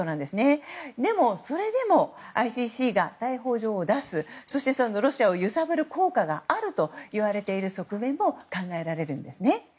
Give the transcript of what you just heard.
それでも、ＩＣＣが逮捕状を出すそして、ロシアを揺さぶる効果があるとされている側面も考えられるんですね。